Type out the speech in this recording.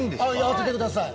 当ててください。